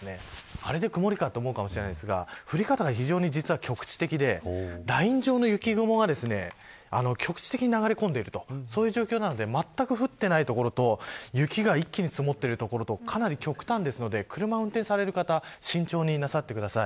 あれで曇りかと思うかもしれませんが降り方が非常に局地的でライン状の雪雲が局地的に流れ込んでいる状況なのでまったく降っていない所と雪が一気に降っている所とかなり極端なので車を運転される方は慎重になさってください。